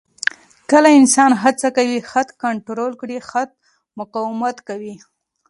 کله انسان هڅه کوي خط کنټرول کړي، خط مقاومت کوي.